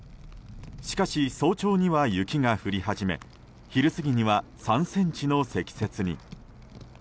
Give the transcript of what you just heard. しかし、早朝には雪が降り始め昼過ぎには３ｃｍの積雪に。